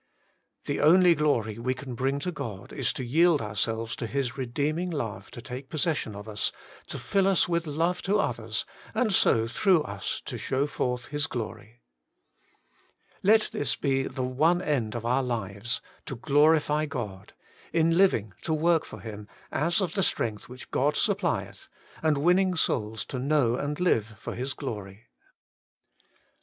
The only glory we can bring to God is to yield ourselves to His redeeming love to take possession of us, to fill us with love to others, and so through us to show forth His glory. 4. Let this be the one end of our lives — to glo rify God ; in living to work for Him, ' as of the strength which God supplieth '; and winning souls to know and live for His glory.